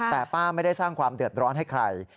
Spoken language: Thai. แต่ป้าไม่ได้สร้างความเดือดร้อนให้ใคร